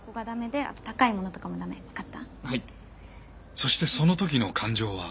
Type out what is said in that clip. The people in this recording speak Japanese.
そしてその時の感情は。